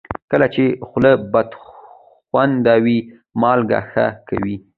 کله چې خوله بدخوند وي، مالګه ښه کوي.